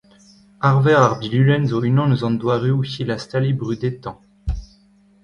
Arver ar bilulenn zo unan eus an doareoù hilastaliñ brudetañ.